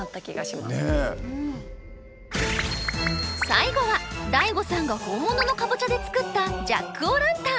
最後はＤＡＩＧＯさんが本物のカボチャで作ったジャック・オ・ランタン。